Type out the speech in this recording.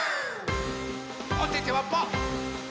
おててはパー。